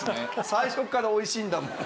最初からおいしいんだもん。